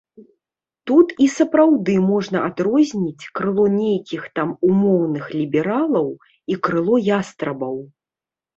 Тут і сапраўды можна адрозніць крыло нейкіх там умоўных лібералаў і крыло ястрабаў.